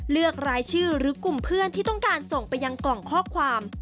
เลือกรายชื่อหรือกลุ่มเพื่อนที่ต้องการส่งไปยังกล่องข้อความ